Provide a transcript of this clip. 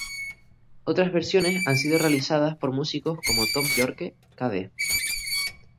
Otras versiones han sido realizadas por músicos como Thom Yorke, k.d.